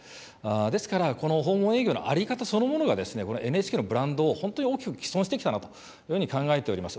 ですから、この訪問営業の在り方そのものが、このＮＨＫのブランドを本当に大きく毀損してきたなというように考えております。